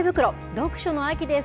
読書の秋です。